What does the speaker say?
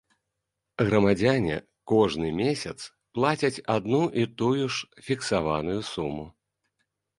Грамадзяне кожны месяц плацяць адну і тую ж фіксаваную суму.